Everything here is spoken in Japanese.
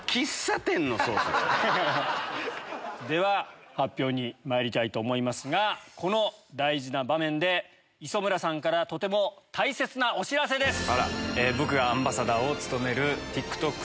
では発表にまいりたいと思いますがこの大事な場面で磯村さんからとても大切なお知らせです！